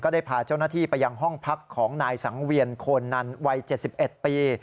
ได้พาเจ้าหน้าที่ไปยังห้องพักของนายสังเวียนโคนนันวัย๗๑ปี